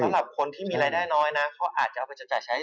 สำหรับคนที่มีรายได้น้อยนะเขาอาจจะเอาไปจำจ่ายใช้